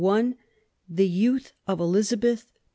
THE YOUTH OF ELIZABETH.